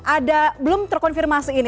ada belum terkonfirmasi ini